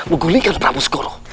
menggulingkan prabu skoro